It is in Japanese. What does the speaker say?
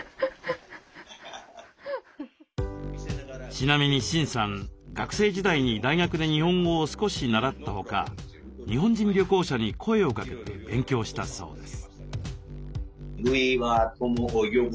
ちなみにシンさん学生時代に大学で日本語を少し習ったほか日本人旅行者に声をかけて勉強したそうです。